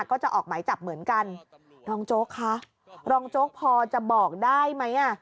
ก็จะออกหมายจับเหมือนกันรองโจ๊กคะรองโจ๊กพอจะบอกได้ไหมอ่ะ